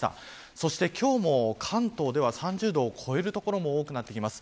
そして今日も関東では３０度を超える所も多くなってきます。